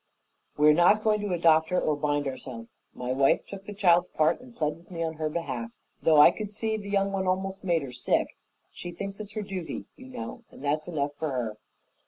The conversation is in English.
"We're not going to adopt her or bind ourselves. My wife took the child's part and plead with me in her behalf, though I could see the young one almost made her sick. She thinks it's her duty, you know, and that's enough for her."